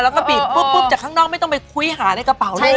แล้วก็บีบปุ๊บจากข้างนอกไม่ต้องไปคุยหาในกระเป๋าเลย